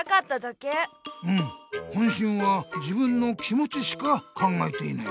うん本心は自分の気もちしか考えていない。